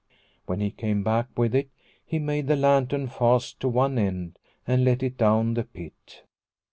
When he came back with it, he made the lantern fast to one end, and let it down the pit.